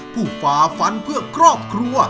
ฝ่าฟันเพื่อครอบครัว